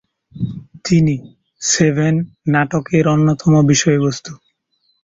তিনি "সেভেন" নাটকের অন্যতম বিষয়বস্তু।